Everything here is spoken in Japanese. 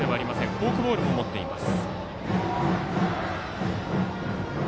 フォークボールも持っています。